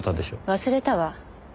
忘れたわ。